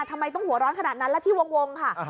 ทำไมต้องหัวร้อนขนาดนั้นและที่วงค่ะ